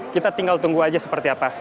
kita tinggal tunggu aja seperti apa